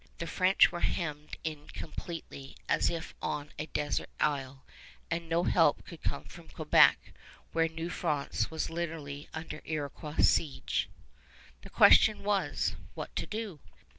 The French were hemmed in completely as if on a desert isle, and no help could come from Quebec, where New France was literally under Iroquois siege. The question was, what to do?